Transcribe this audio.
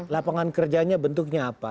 lapangan kerjanya bentuknya apa